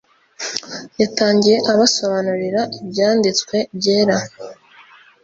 yatangiye abasobanurira Ibyanditswe byera.